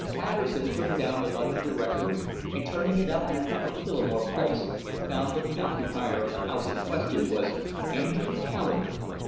Patterson took down the London Directory, and turning it up at Upper Phillimore Place, found that the occupier of the house in question was Andrew Callender.